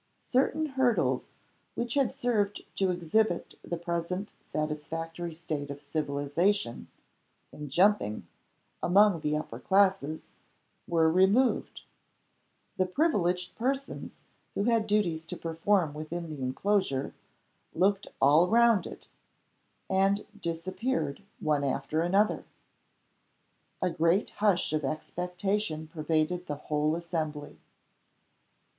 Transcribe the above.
Certain hurdles, which had served to exhibit the present satisfactory state of civilization (in jumping) among the upper classes, were removed. The privileged persons who had duties to perform within the inclosure, looked all round it; and disappeared one after another. A great hush of expectation pervaded the whole assembly.